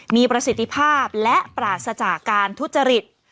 มีประสิทธิภาพและปราศจากการทุจริต